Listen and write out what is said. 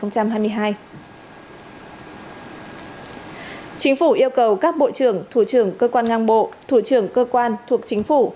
chính phủ yêu cầu các bộ trưởng thủ trưởng cơ quan ngang bộ thủ trưởng cơ quan thuộc chính phủ